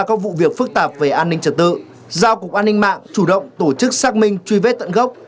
các vụ việc phức tạp về an ninh trật tự giao cục an ninh mạng chủ động tổ chức xác minh truy vết tận gốc